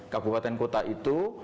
kabupaten kota itu